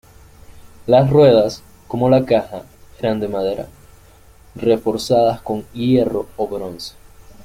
Las ruedas, como la caja, eran de madera, reforzadas con hierro o bronce.